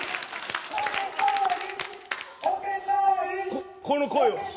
こっこの声は？